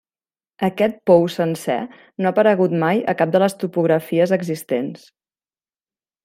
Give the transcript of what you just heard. Aquest pou sencer no ha aparegut mai a cap de les topografies existents.